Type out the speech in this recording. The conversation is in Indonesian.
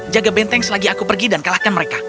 jaga benteng selagi aku pergi dan kalahkan mereka